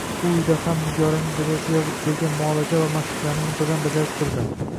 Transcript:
U uyda ham Nigoraning dadasi yozib bergan muolajalar va mashqlarni muntazam bajarib turdi